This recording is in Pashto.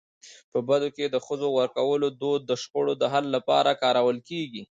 په بدو کي د ښځو ورکولو دود د شخړو د حل لپاره کارول کيږي.